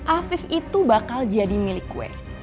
afif itu bakal jadi milik gue